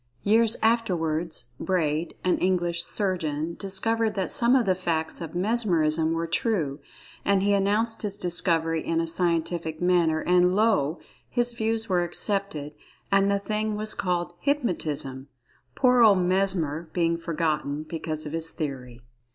Years afterwards, Braid, an English surgeon, discovered that some of the facts of "Mesmerism" were true, and he announced his discovery in a scientific manner, and lo! his views were accepted, and the thing was called "Hypnotism," poor old Mesmer being forgotten, because of his theory.